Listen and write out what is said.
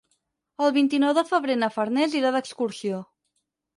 El vint-i-nou de febrer na Farners irà d'excursió.